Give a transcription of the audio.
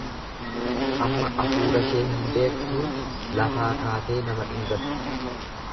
Amma afuurashee hin beektuu lafaa kaatee nama dhungatti.